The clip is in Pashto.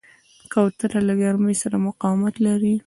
کوتره له ګرمۍ سره مقاومت لري.